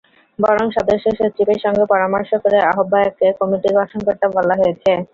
বরং সদস্যসচিবের সঙ্গে পরামর্শ করে আহ্বায়ককে কমিটি গঠন করতে বলা হয়েছে।